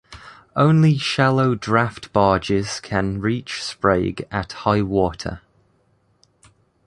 Only shallow draft barges can reach Sprague at high water.